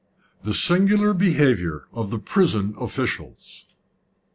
THE SINGULAR BEHAVIOUR OF THE PRISON OFFICIALS.